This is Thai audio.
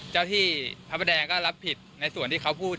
เจ้าที่พระประแดงก็รับผิดในส่วนที่เขาพูด